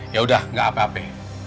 yaudah gak apa apa